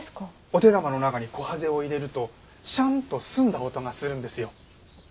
お手玉の中にコハゼを入れると「シャン」と澄んだ音がするんですよ。